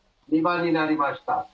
「２番になりました」